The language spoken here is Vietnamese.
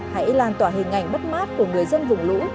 hãy làn tỏa hình ảnh mất mát của người dân vùng lũ